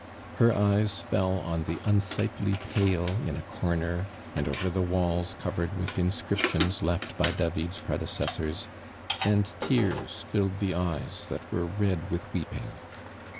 Her eyes fell on the unsightly pail in a corner, and over the walls covered with inscriptions left by David's predecessors, and tears filled the eyes that were red with weeping.